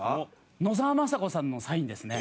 野沢雅子さんのサインですね。